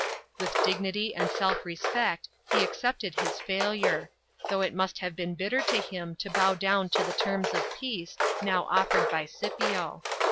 With * dignity and self respect he accepted his failure ; though it must have been bitter to him to bow do\^n to the terms of peace, now offered by Scipio.